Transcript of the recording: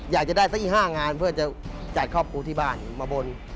อยากจะได้สักอีก๕งานเพื่อจะจัดครอบครูที่บ้านมาบน